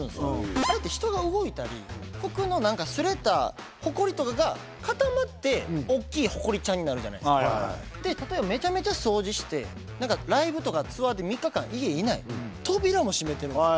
あれって人が動いたり服の何か擦れたホコリとかが固まっておっきいホコリちゃんになるじゃないですかで例えばめちゃめちゃ掃除してライブとかツアーで３日間家いない扉も閉めてるんですよ